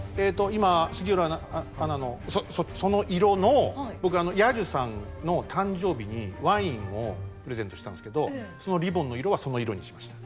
今杉浦アナのその色の僕彌十さんの誕生日にワインをプレゼントをしたんですけどそのリボンの色はその色にしました。